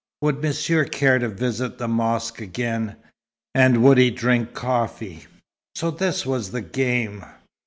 Would Monsieur care to visit the mosque again, and would he drink coffee? So this was the game!